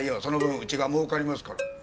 その分うちがもうかりますから。